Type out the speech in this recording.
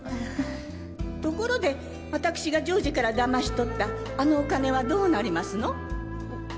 ところでわたくしが丈治から騙しとったあのお金はどうなりますの？